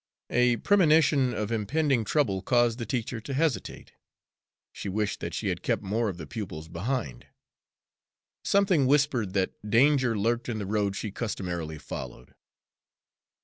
A premonition of impending trouble caused the teacher to hesitate. She wished that she had kept more of the pupils behind. Something whispered that danger lurked in the road she customarily followed.